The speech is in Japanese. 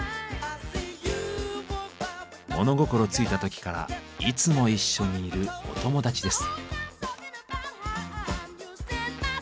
物心ついた時からいつも一緒にいるお友達です。